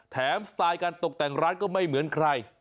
สไตล์การตกแต่งร้านก็ไม่เหมือนใคร